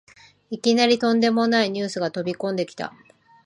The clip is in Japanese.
いきなりとんでもないニュースが飛びこんできた